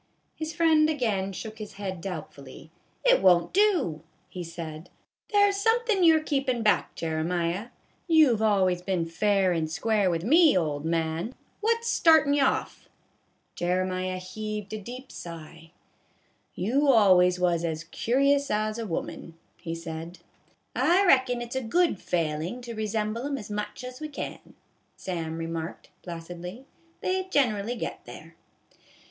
His friend again shook his head doubtfully. " It won't do," he said. " There 's somethin' you 're keepin' back, Jeremiah. You've always been fair 164 A BAG OF POP CORN. and square with me, old man ; what 's started ye off?" Jeremiah heaved a deep sigh. " You always was as curious as a woman," he said. " I reckon it 's a good failin' to resemble 'em as much as we can," Sam remarked, placidly ;" they generally get there."